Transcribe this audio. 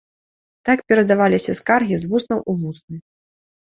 Так перадаваліся скаргі з вуснаў у вусны.